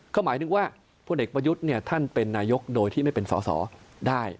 ก็หมายถึงว่าพลเอกประยุทธ์ท่านเป็นนายกโดยที่ไม่เป็นสอสอได้